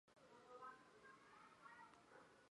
其遗体葬于堂内。